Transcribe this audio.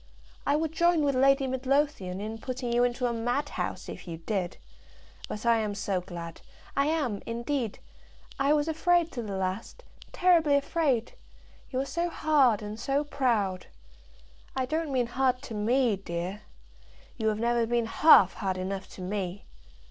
"I would join with Lady Midlothian in putting you into a madhouse, if you did. But I am so glad; I am, indeed. I was afraid to the last, terribly afraid; you are so hard and so proud. I don't mean hard to me, dear. You have never been half hard enough to me.